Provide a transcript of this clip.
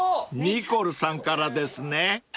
［ニコルさんからですね］